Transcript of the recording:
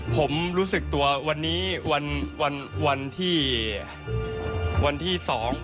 ผมรู้สึกตัววันนี้วันที่๒